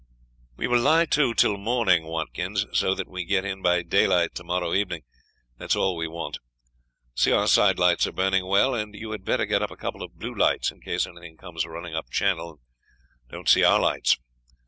"We will lie to till morning, Watkins. So that we get in by daylight tomorrow evening, that is all we want. See our side lights are burning well, and you had better get up a couple of blue lights, in case anything comes running up Channel and don't see our lights.